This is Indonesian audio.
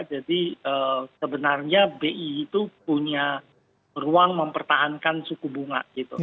sebenarnya bi itu punya ruang mempertahankan suku bunga gitu